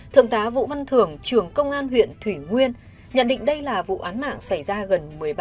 thượng tá vũ văn thường trường công an huyện thủy nguyên nhận định đây là vụ án mạng xảy ra gần mười ba